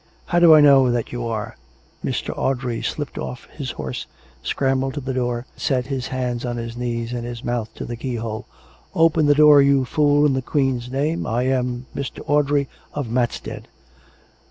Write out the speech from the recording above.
" How do I know that you are ?" Mr. Audrey slipped off his horse, scrambled to the door, set his hands on his knees and his mouth to the keyhole. COME RACK! COME ROPE! 421 " Open the door, you fool^ in the Queen's name. ... I am Mr. Audrey, of Matstead."